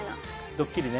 ドッキリね。